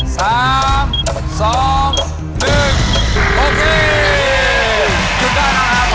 จุดได้แล้วครับ